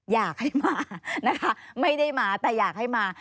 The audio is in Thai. อยากให้มานะคะไม่ได้มาแต่อยากให้มา